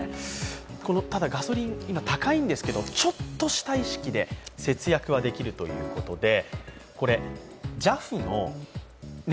ガソリン高いんですけど、ちょっとした意識で節約ができるということです。